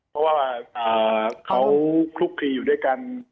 เพราะว่าเขาคลุกคลีอยู่ด้วยกัน